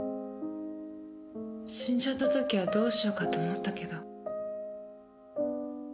死んじゃった時はどうしようかと思ったけど。